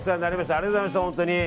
ありがとうございました、本当に。